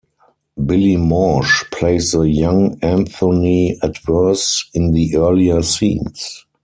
Billy Mauch plays the young Anthony Adverse in the earlier scenes.